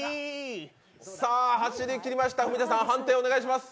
走りきりました、判定お願いします。